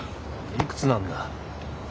いくつなんだ。